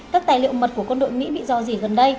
các tài liệu mật của quân đội mỹ bị dò dỉ gần đây